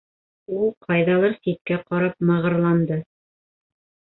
Ул ҡайҙалыр ситкә ҡарап мығырланды: